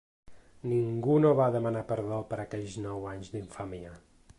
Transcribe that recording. Ningú no va demanar perdó per aquells nou anys d’infàmia.